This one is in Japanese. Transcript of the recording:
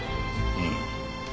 うん。